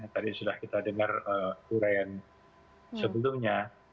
tadi sudah kita dengar urayan sebelumnya